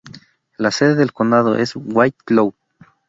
La sede del condado es White Cloud.